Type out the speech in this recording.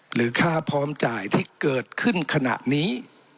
หรือค่าพร้อมจ่ายที่เกิดขึ้นขณะนี้